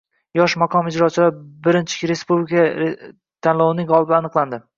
Yosh maqom ijrochilari I respublika ko‘rik-tanlovining g‘oliblari aniqlandi